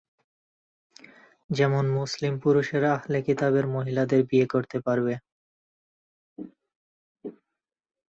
যেমন মুসলিম পুরুষেরা আহলে কিতাবের মহিলাদের বিয়ে করতে পারবে।